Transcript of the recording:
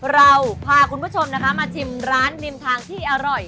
เราพาคุณผู้ชมนะคะมาชิมร้านริมทางที่อร่อย